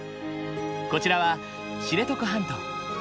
こちらは知床半島。